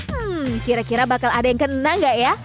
hmm kira kira bakal ada yang kena gak ya